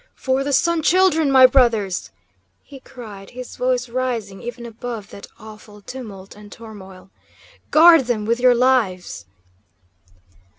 "For the Sun Children, my brothers!" he cried, his voice rising even above that awful tumult and turmoil. "Guard them with your lives!"